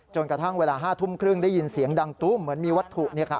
กระทั่งเวลา๕ทุ่มครึ่งได้ยินเสียงดังตุ้มเหมือนมีวัตถุ